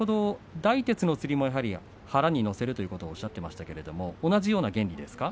大徹のつりも腹に乗せるとおっしゃってましたけれども同じような原理ですか。